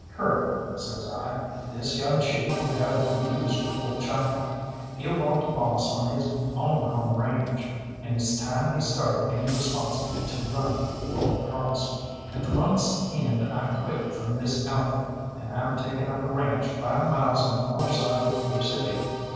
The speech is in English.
"Curly," says I, "this young chief won't have no use for old Chalkeye; he'll want to be boss on his own home range, and it's time he started in responsible to run Holy Cross. At the month's end I quit from this outfit, and I'm taking up a ranche five miles on the far side of Grave City.